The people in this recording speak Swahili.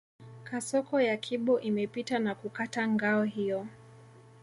Kasoko ya Kibo imepita na kukata ngao hiyo